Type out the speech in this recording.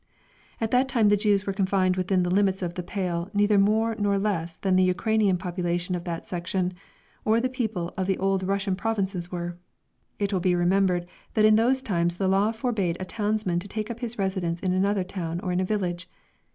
At that time the Jews were confined within the limits of the "Pale" neither more nor less than the Ukrainian population of that section, or the people of the old Russian provinces were. It will be remembered that in those times the law forbade a townsman to take up his residence in another town or in a village.